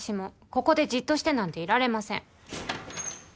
ここでじっとしてなんていられません。